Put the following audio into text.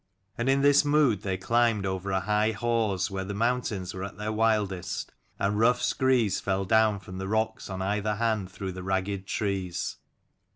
And in this mood they climbed over a high hause where the mountains were at their wildest and rough screes fell down from the rocks on either hand through the ragged trees.